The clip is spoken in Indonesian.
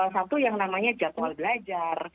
satu yang namanya jadwal belajar